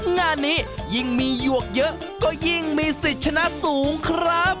งานนี้ยิ่งมีหยวกเยอะก็ยิ่งมีสิทธิ์ชนะสูงครับ